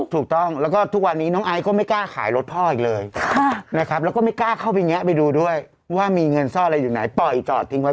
๕แสนอันนี้ขายรถแต้งกันไป๗แสนแต่แถมเงิน๕แสนไปด้วย